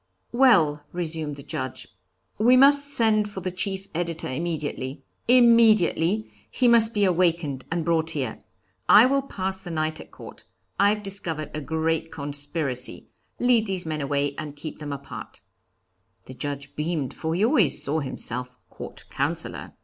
'Well,' resumed the Judge, 'we must send for the chief editor immediately immediately, he must be awakened and brought here. I will pass the night at court. I've discovered a great conspiracy. Lead these men away and keep them apart.' The Judge beamed, for he already saw himself Court Counsellor.